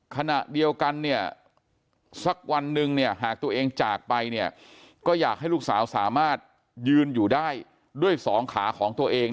ขณะเดียวกันเนี่ยสักวันนึงเนี่ยหากตัวเองจากไปเนี่ยก็อยากให้ลูกสาวสามารถยืนอยู่ได้ด้วยสองขาของตัวเอง